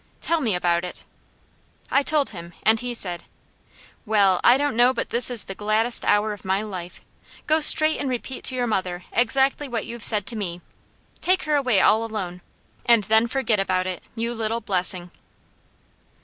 "Tell me about it!" I told him and he said: "Well, I don't know but this is the gladdest hour of my life. Go straight and repeat to your mother exactly what you've said to me. Take her away all alone, and then forget about it, you little blessing."